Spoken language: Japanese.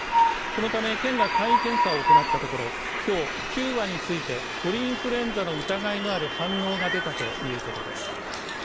このため県が簡易検査を行ったところきょう９羽について鳥インフルエンザの疑いがある反応が出たということです。